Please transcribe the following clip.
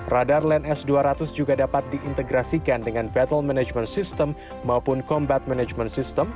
radar line s dua ratus juga dapat diintegrasikan dengan battle management system maupun combat management system